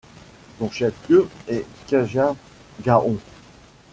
Son chef-lieu est Kajalgaon.